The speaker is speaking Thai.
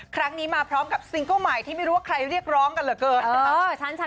ครั้งนี้มาพร้อมกับซิงเกิ้ลใหม่ที่ไม่รู้ว่าใครเรียกร้องกันเหลือเกิน